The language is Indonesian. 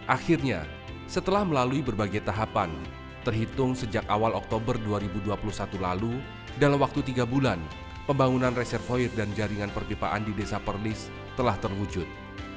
akhirnya setelah melalui berbagai tahapan terhitung sejak awal oktober dua ribu dua puluh satu lalu dalam waktu tiga bulan pembangunan reservoir dan jaringan perpipaan di desa perlis telah terwujud